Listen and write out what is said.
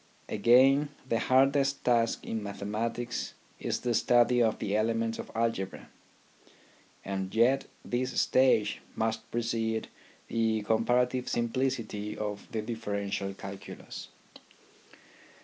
Again, the hardest task in mathematics is the study of the elements of algebra, and yet this stage must precede the comparative simplicity of the differential cal culus.